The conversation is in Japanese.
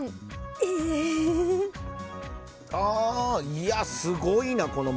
いやすごいなこの問題。